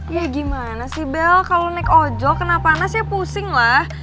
ya gimana sih bel kalo lo naik ojol kena panas ya pusing lah